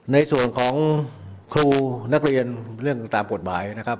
ในส่วนของครูนักเรียนเรื่องตามกฎหมายนะครับ